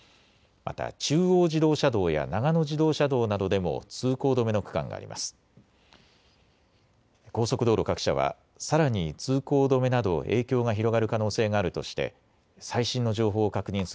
また中央自動車道や長野自動車道などでも通行止めの区間があります。